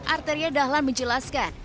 arteria dahlan menjelaskan